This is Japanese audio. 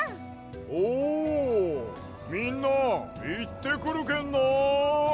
おみんないってくるけんな！